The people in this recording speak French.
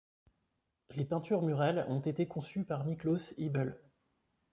Les peintures murales ont été conçues par Miklós Ybl.